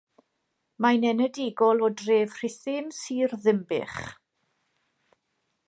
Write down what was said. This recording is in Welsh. Mae'n enedigol o dref Rhuthun, Sir Ddinbych.